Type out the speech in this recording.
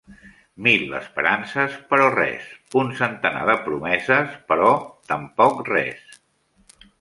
Mil esperances, però res; un centenar de promeses, però tampoc res.